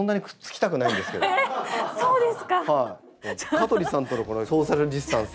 香取さんとのソーシャルディスタンスが。